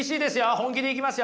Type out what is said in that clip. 本気でいきますよ。